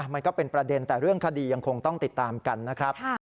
มันก็เป็นประเด็นแต่เรื่องคดียังคงต้องติดตามกันนะครับ